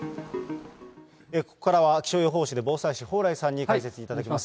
ここからは気象予報士で防災士、蓬莱さんに解説いただきます。